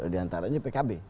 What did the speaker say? di antaranya pkb